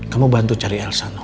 kamu bantu cari elsa noh